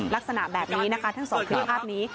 ลักษณะแบบนี้นะคะทั้งสองคลิปภาพนี้